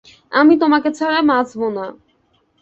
আমি তোমাকে ছাড়া বাঁচব না।